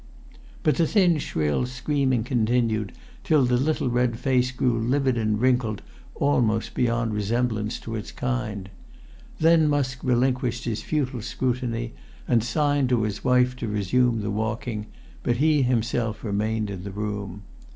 But the thin shrill screaming continued till the little red face grew livid and wrinkled almost beyond resemblance to its kind; then Musk relinquished his futile scrutiny, and signed to his wife to resume the walking, but himself remained in the room.